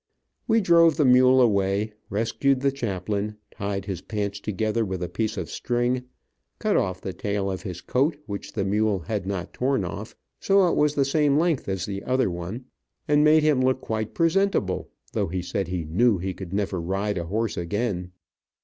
We drove the mule away, rescued the chaplain, tied his pants together with a piece of string, cut off the tail of his coat which the mule had not torn off, so it was the same length as the other one, and made him look quite presentable, though he said he knew he could never ride a horse again.